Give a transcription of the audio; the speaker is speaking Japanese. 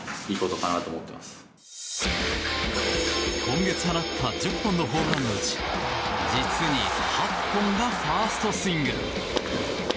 今月放った１０本のホームランのうち実に８本がファーストスイング。